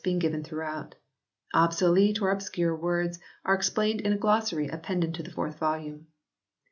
being given throughout. Obsolete or obscure words are explained in a glossary appended to the fourth volume.